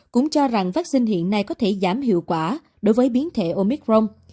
cũng cho rằng vaccine hiện nay có thể giảm hiệu quả đối với biến thể omicron